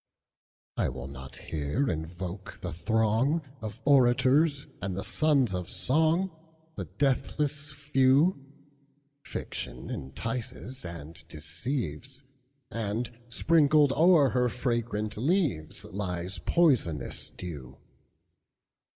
I will not here invoke the throngOf orators and sons of song, The deathless few; Fiction entices and deceives, And, sprinkled o'er her fragrant leaves, Lies poisonous dew.